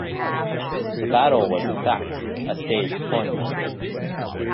The battle was in fact a staged tournament.